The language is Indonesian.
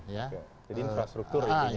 jadi infrastruktur itu ya